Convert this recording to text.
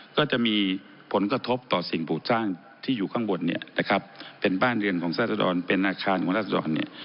ก็จะมีผลกระทบต่อสิ่งปลูกสร้างที่อยู่ข้างบนเนี่ยนะครับเป็นบ้านเรือนของราศดรเป็นอาคารของราศดรเนี่ย